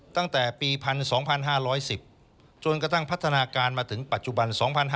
ตั้งแต่ปี๑๒๕๑๐จนกระทั่งพัฒนาการมาถึงปัจจุบัน๒๕๕๙